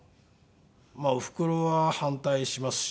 まあおふくろは反対しますし。